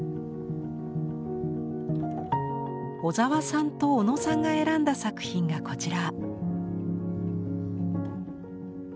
小沢さんと小野さんが選んだ作品がこちら。